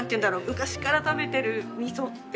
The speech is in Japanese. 昔から食べてる味噌っていう。